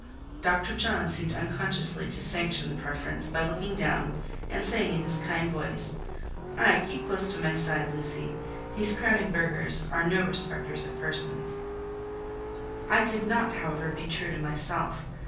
Dr. John seemed unconsciously to sanction the preference by looking down and saying in his kind voice, "Ay, keep close to my side, Lucy: these crowding burghers are no respecters of persons." I could not, however, be true to myself.